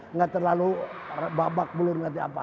nggak terlalu babak bulur ngerti apa